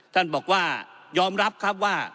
ท่านบอกว่ายอมรับครับว่า